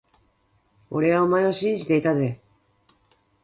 俺はお前を信じていたぜ…